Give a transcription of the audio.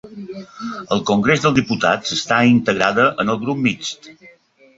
Al Congrés dels Diputats està integrada en el grup mixt.